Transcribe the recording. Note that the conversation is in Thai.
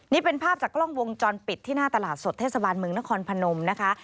นี่เป็นภาพจากกล้องวงจรปิดที่หน้าตลาดสดเทศบาลเมืองนครพนมนะคะ